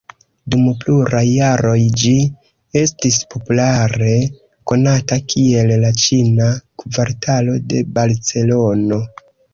Dum pluraj jaroj ĝi estis populare konata kiel la Ĉina Kvartalo de Barcelono.